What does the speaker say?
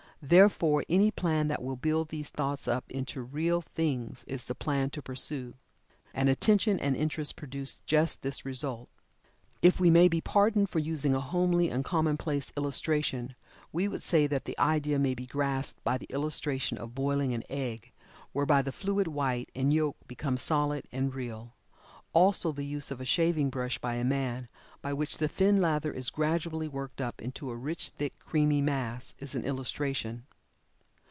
Therefore any plan that will build these thoughts up into "real" things is the plan to pursue. And attention and interest produce just this result. If we may be pardoned for using a homely and commonplace illustration we would say that the idea may be grasped by the illustration of boiling an egg, whereby the fluid "white" and "yolk" becomes solid and real. Also the use of a shaving brush by a man, by which the thin lather is gradually worked up into a rich, thick, creamy mass, is an illustration.